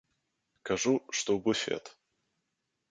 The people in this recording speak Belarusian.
Кажу, што ў буфет.